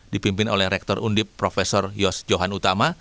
dipimpin oleh rektor undip prof yos johan utama